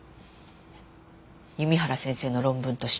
弓原先生の論文として。